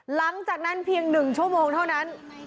หลังจากนั้นเพียง๑ชั่วโมงเท่านั้น